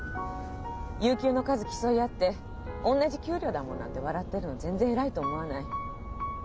有給の数競い合って「おんなじ給料だもん」なんて笑ってるの全然偉いと思わない。